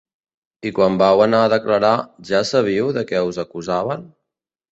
I quan vau anar a declarar, ja sabíeu de què us acusaven?